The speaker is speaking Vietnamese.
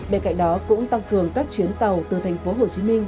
bên cạnh đó cũng tăng cường các chuyến tàu từ thành phố hồ chí minh